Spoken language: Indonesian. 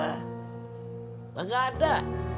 lah gak ada